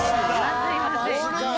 まずいまずい。